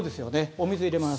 お水入れます。